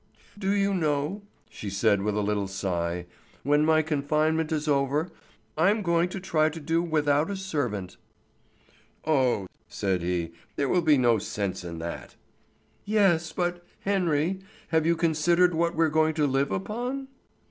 "Do you know," she said with a little sigh, "when my confinement is over I'm going to try to do without a servant." "Oh," said he, "there will be no sense in that." "Yes, but, Henry, have you considered what we're going to live upon?"